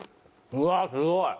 うわっすごい！